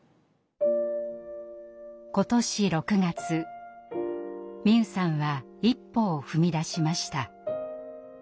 今年６月美夢さんは一歩を踏み出しました。